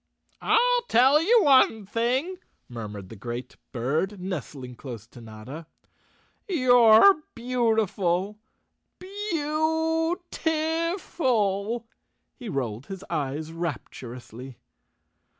"I'll tell you one thing," murmured the great bird, nestling close to Notta. "You're beautiful, beau ti ful!" He rolled his eyes rapturously.